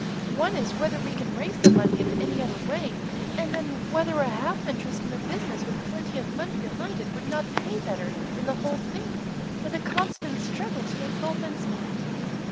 One is, whether we can raise the money in any other way; and then, whether a half interest in a business with plenty of money behind it would not pay better than the whole thing, with a constant struggle to make both ends meet."